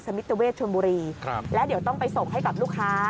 มิตรเวชชนบุรีครับแล้วเดี๋ยวต้องไปส่งให้กับลูกค้า